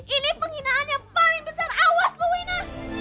ini penghinaan yang paling besar awas bu wina